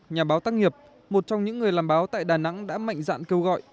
nhà báo tác nghiệp một trong những người làm báo tại đà nẵng đã mạnh dạn kêu gọi